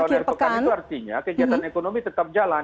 lockdown akhir pekan itu artinya kegiatan ekonomi tetap jalan